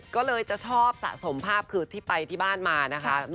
ก็เลยจะชอบสะสมภาพคือที่ไปที่บ้านมานะคะ